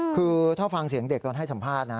คือถ้าฟังเสียงเด็กตอนให้สัมภาษณ์นะ